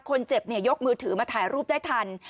คนเจ็บยกมือถือมาถ่ายรูปได้ทัน